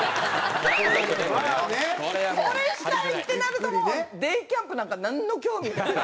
これしたいってなるともうデイキャンプなんかなんの興味もない。